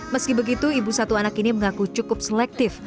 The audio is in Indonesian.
meski begitu ibu satu anak ini mengaku cukup selektif